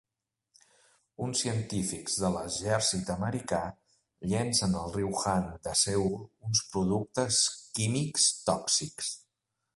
Uns científics de l'exèrcit americà llencen al riu Han de Seül uns productes químics tòxics.